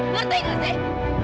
ngerti gak sih